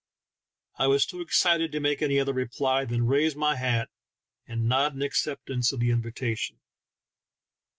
I was too excited to make any other replj^ than raise my hat and nod an acceptance of the invita tion.